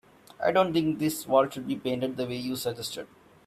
I don't think this wall should be painted the way you suggested.